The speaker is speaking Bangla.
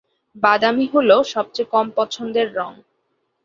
বাদামী হলো সবচেয়ে কম পছন্দের রঙ।